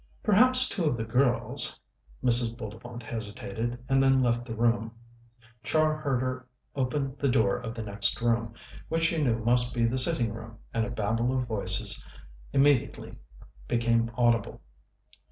"Perhaps two of the girls " Mrs. Bullivant hesitated, and then left the room. Char heard her open the door of the next room, which she knew must be the sitting room, and a babel of voices immediately became audible.